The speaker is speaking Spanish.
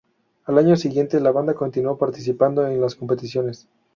Al año siguiente, la banda continuó participando en las competiciones.